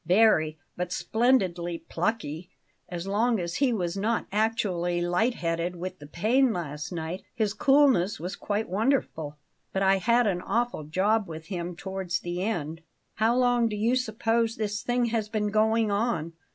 "Very, but splendidly plucky. As long as he was not actually light headed with the pain last night, his coolness was quite wonderful. But I had an awful job with him towards the end. How long do you suppose this thing has been going on?